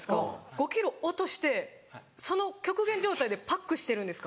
５ｋｇ落としてその極限状態でパックしてるんですか？